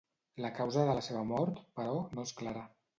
La causa de la seva mort, però, no és clara.